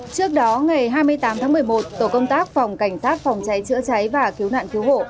trước đó ngày hai mươi tám tháng một mươi một tổ công tác phòng cảnh sát phòng cháy chữa cháy và cứu nạn cứu hộ